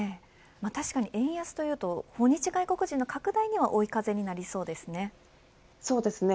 確かに円安というと訪日外国人の拡大には追い風になりそうですね。